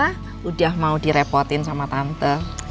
sudah mau direpotin sama tante